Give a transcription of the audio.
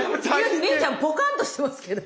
望結ちゃんポカンとしてますけど。